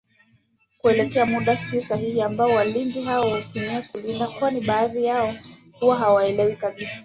kuelewa muda sahihi ambao walinzi hao hutumia kulinda kwani baadhi yao huwa hawaelewi kabisa